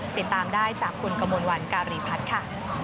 ติดตามได้จากคุณกมลวันการีพัฒน์ค่ะ